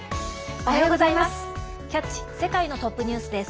おはようございます。